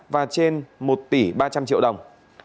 và trên một tỷ ba trăm linh triệu đồng